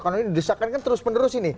kalau ini disesatkan kan terus menerus ini